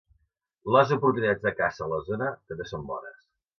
Les oportunitats de caça a la zona també són bones.